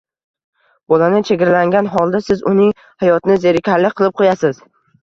Bolani chegaralagan holda siz uning hayotini zerikarli qilib qo‘yasiz.